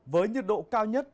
với nhiệt độ cao nhất